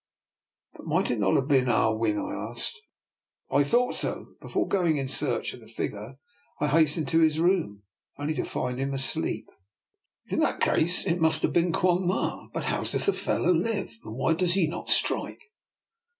" But might it not have been Ah Win? " I asked. " I thought so, and before going in search DR. NIKOLA'S EXPERIMENT. 273 of the figure I hastened to his room, only to find him also asleep." " In that case it must have been Quong Ma. But how does the fellow live? and why does he not strike?